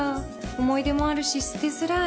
思い出もあるし捨てづらい